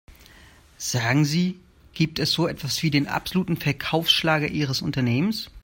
Sagen Sie, gibt es so etwas wie den absoluten Verkaufsschlager ihres Unternehmens?